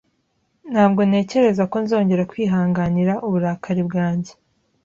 Ntabwo ntekereza ko nzongera kwihanganira uburakari bwanjye